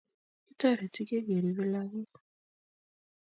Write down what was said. Kitoretigei keripei lakok